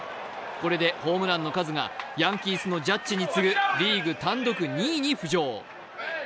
これでホームランの数がヤンキースのジャッジに次ぐリーグ単独２位に浮上。